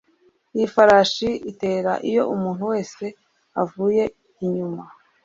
Iyi farashi itera iyo umuntu wese avuye inyuma